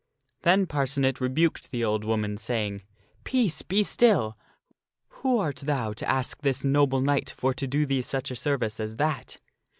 Then Parcenet rebuked the old woman, saying, " Peace, be still \ Who art thou to ask this noble knight for to do thee such a service as that?"